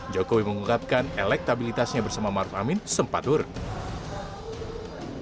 jokowi mengungkapkan elektabilitasnya bersama maruf amin sempat turun